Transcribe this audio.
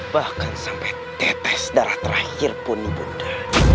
bahkan sampai tetes darah terakhir pun bunda